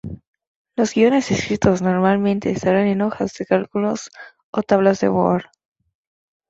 Los guiones escritos normalmente estarán en hojas de cálculos o tablas de Word.